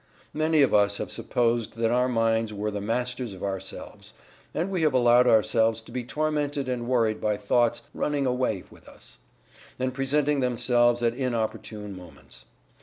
Many of us have supposed that our minds were the masters of ourselves, and we have allowed ourselves to be tormented and worried by thoughts "running away" with us, and presenting themselves at inopportune moments.